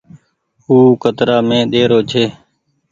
او ڪترآ مي ۮيرو ڇي۔